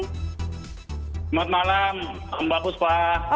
selamat malam selamat pagi pak